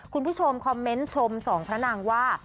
คุณผู้ชมคอมเมนต์ชมสองพระนางว่า